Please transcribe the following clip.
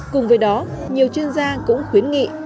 cùng với đó nhiều chuyên gia cũng khuyến nghị